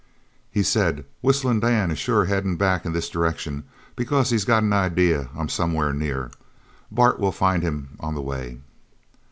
He said: "Whistlin' Dan is sure headin' back in this direction because he's got an idea I'm somewhere near. Bart will find him on the way."